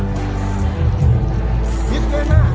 สโลแมคริปราบาล